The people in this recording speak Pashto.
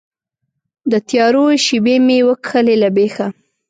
د تیارو شیبې مې وکښلې له بیخه